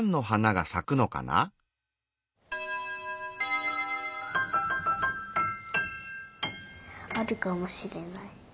あるかもしれない。